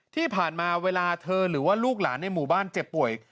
ที่ผ่านมาเวลาเธอหรือว่าลูกหลานในหมู่บ้านเจ็บป่วย